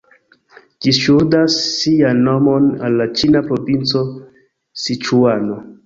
Ĝi ŝuldas sian nomon al la ĉina provinco Siĉuano.